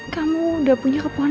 kamu sudah punya keponakan din